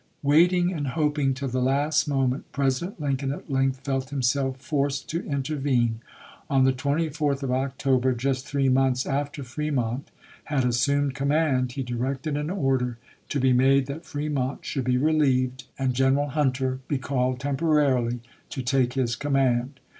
Waiting and hoping till the last moment. President Lincoln at length felt himself forced to intervene. On the 24th of October, just three months after Fremont isei. had assumed command, he directed an order to be made that Fremont should be relieved and General Hunter be called temporarily to take his command.